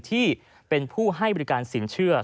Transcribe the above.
ที่เป็นผู้ให้บริการสินเชื่อ